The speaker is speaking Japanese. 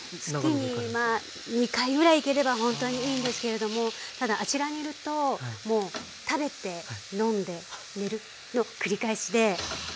月に２回ぐらい行ければほんとにいいんですけれどもただあちらにいるともう食べて飲んで寝るの繰り返しで幸せです。